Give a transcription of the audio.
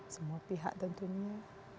semua pihak tentunya